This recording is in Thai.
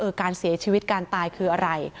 การเสียชีวิตการตายคืออะไร